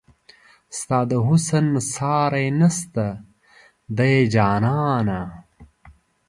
ستا د حسن ساری نشته دی جانانه